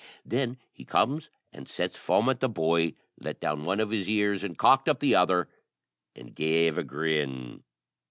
Then he comes and sits foment the boy, let down one of his ears, and cocked up the other, and gave a grin.